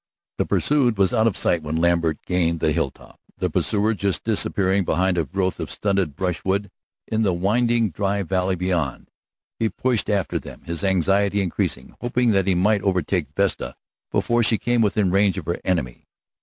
The pursued was out of sight when Lambert gained the hilltop, the pursuer just disappearing behind a growth of stunted brushwood in the winding dry valley beyond. He pushed after them, his anxiety increasing, hoping that he might overtake Vesta before she came within range of her enemy.